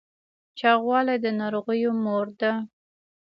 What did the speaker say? چاغوالی د ناروغیو مور ده